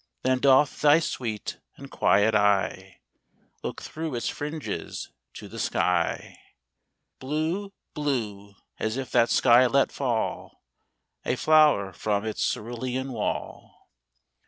Then doth thy sweet and quiet eye Look through its fringes to the sky, Blue blue as if that sky let fall A flower from its cerulean wall.